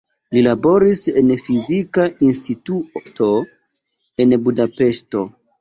Li laboris en fizika instituto en Budapeŝto.